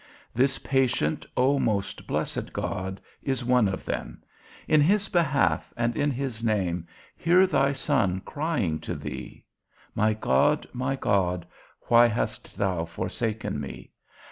This patient, O most blessed God, is one of them; in his behalf, and in his name, hear thy Son crying to thee, _My God, my God, why hast thou forsaken me?